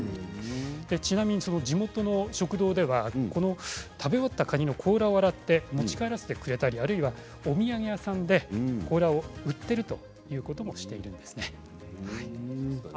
ちなみに地元の食堂では食べ終わったカニの甲羅を洗って持ち帰らせてくれたりお土産屋さんで甲羅を売っているということもしています。